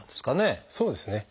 そうですね。